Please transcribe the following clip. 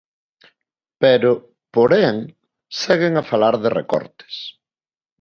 Pero, porén, seguen a falar de recortes.